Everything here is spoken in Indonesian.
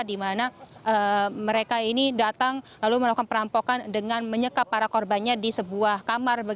di mana mereka ini datang lalu melakukan perampokan dengan menyekap para korbannya di sebuah kamar